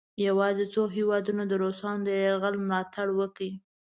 یواځې څو هیوادونو د روسانو د یرغل ملا تړ وکړ.